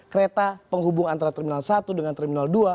kereta penghubung antara terminal satu dengan terminal dua